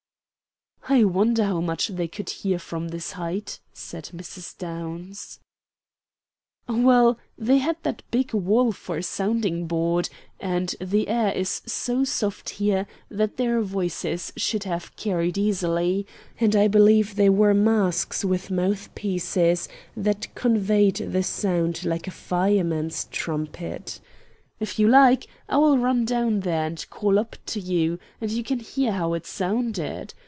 "I wonder how much they could hear from this height?" said Mrs. Downs. "Well, they had that big wall for a sounding board, and the air is so soft here that their voices should have carried easily, and I believe they wore masks with mouth pieces, that conveyed the sound like a fireman's trumpet. If you like, I will run down there and call up to you, and you can hear how it sounded.